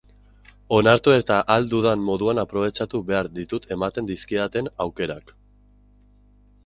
Onartu eta ahal dudan moduan aprobetxatu behar ditut ematen dizkidaten aukerak.